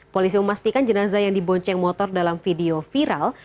polisi memastikan jenazah yang dibonceng motor dalam video viral